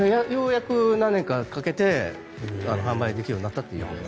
ようやく何年かかかて販売できるようになったと。